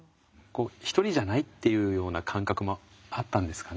ひとりじゃないっていうような感覚もあったんですかね。